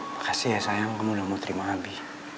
makasih ya sayang kamu udah mau terima kasih